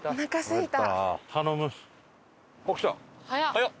早っ！